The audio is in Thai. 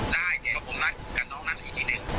ได้ผมรักกับน้องนักอีกทีหนึ่ง